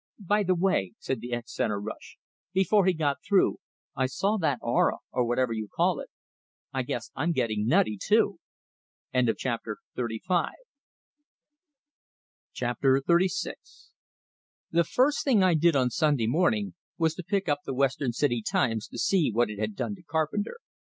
"By the way," said the ex centre rush, "before he got through, I saw that aura, or whatever you call it. I guess I'm getting nutty, too!" XXXVI The first thing I did on Sunday morning was to pick up the "Western City Times," to see what it had done to Carpenter.